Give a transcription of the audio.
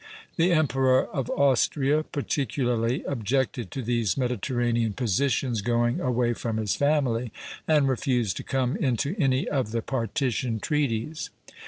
The Emperor of Austria particularly objected to these Mediterranean positions going away from his family, and refused to come into any of the partition treaties.